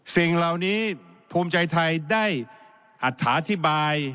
สิ่งเหล่านี้ภูมิใจไทยได้อัฐาธิบาย